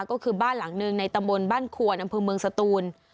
ก็คือบ้านหลังหนึ่งในตะโมนบ้านครัวนำภูมิเมืองสตูน